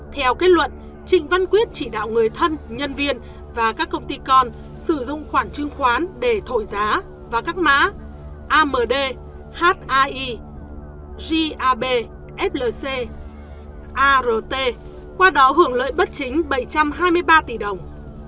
theo kết luận trịnh văn quyết chỉ đạo người thân nhân viên và các công ty con sử dụng khoản trương khoán để thổi giá và các mã amd haib flc art qua đó hưởng lợi bất chính bảy trăm hai mươi ba tỷ đồng